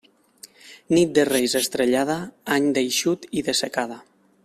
Nit de Reis estrellada, any d'eixut i de secada.